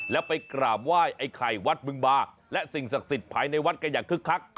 แล้วไปกราบไหว้ไอ้ไข่วัดบึงบาและสิ่งศักดิ์สิทธิ์ภายในวัดกันอย่างคึกคัก